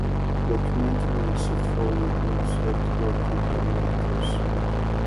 The documentary received four reviews at Rotten Tomatoes.